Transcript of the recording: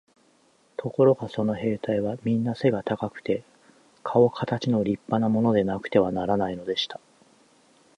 ところがその兵隊はみんな背が高くて、かおかたちの立派なものでなくてはならないのでした。